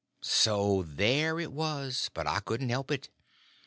So there it was!—but I couldn't help it.